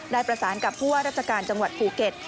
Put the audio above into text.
ได้ประสานกับผู้ว่าราชการจังหวัดภูเก็ต